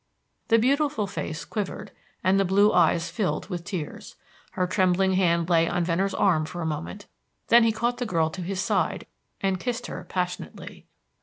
The beautiful face quivered, and the blue eyes filled with tears. Her trembling hand lay on Venner's arm for a moment; then he caught the girl to his side and kissed her passionately.